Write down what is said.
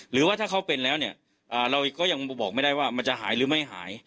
หรือว่าถ้าเขาเป็นแล้วเนี่ยเราก็ยังบอกไม่ได้ว่ามันจะหายหรือไม่หาย